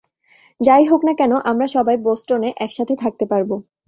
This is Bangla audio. যাই হোক না কেন, আমরা সবাই বোস্টনে একসাথে থাকতে পারবো।